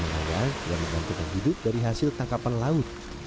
seratus menelan yang membantu kehidupan dari hasil tangkapan laut